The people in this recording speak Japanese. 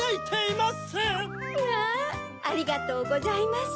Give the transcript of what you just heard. まぁ！ありがとうございます。